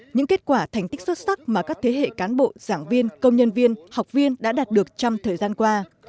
những kết quả thành tích xuất sắc mà các thế hệ cán bộ giảng viên công nhân viên học viên đã đạt được trong thời gian qua